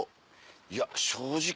いや正直。